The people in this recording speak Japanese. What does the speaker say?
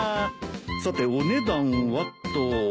さてお値段はと。